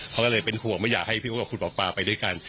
ก็เลยเป็นห่วงว่าอย่าให้พี่อุ๊ปกับคุณป๊าไปด้วยกัน